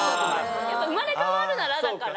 「生まれ変わるなら」だから。